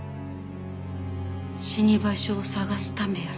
死に場所を探すためやろか？